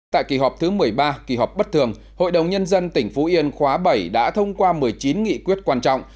tại kỳ họp thứ một mươi ba kỳ họp bất thường hội đồng nhân dân tỉnh phú yên khóa bảy đã thông qua một mươi chín nghị quyết quan trọng